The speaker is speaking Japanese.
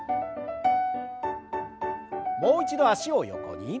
もう一度脚を横に。